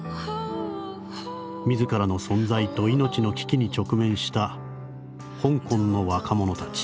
「自らの存在と命の危機に直面した香港の若者たち。